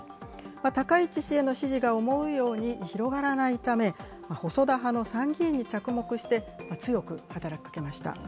高市氏への支持が思うように広がらないため、細田派の参議院に着目して、強く働きかけました。